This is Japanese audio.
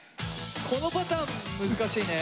このパターン難しいね。